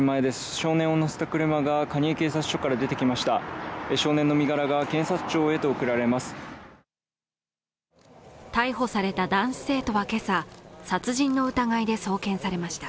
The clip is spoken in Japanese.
少年を乗せた車が蟹江警察署から出てきました